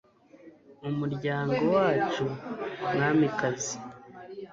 umuryango wacu mwamikazi